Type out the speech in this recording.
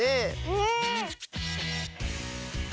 うん。